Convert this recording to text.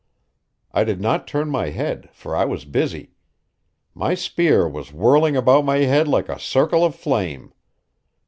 I did not turn my head, for I was busy. My spear was whirling about my head like a circle of flame.